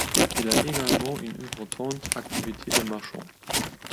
Il a également une importante activité de marchand.